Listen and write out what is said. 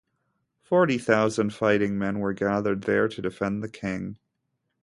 Forty thousand fighting men were gathered there to defend the king.